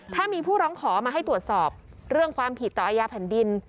ถ้ามีผู้ร้องขอมาให้ตรวจสอบเรื่องความผิดต่ออาญาแผ่นดิน